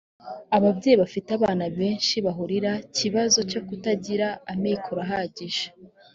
ababyeyi babifite abana benshi bahurira kibazo cyo ku kutagira amikoro ahagije.